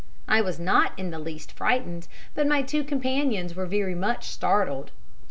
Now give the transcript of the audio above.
I was not in the least frightened, but my two companions were very much startled.